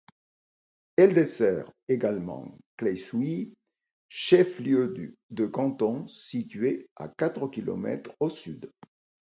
Elle dessert également Claye-Souilly, chef-lieu de canton situé à quatre kilomètres au sud.